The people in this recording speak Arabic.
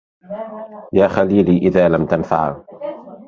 يا خليلي إذا لم تنفعا